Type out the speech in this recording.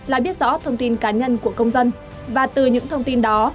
lại biết rõ thông tin cá nhân của công dân và từ những thông tin đó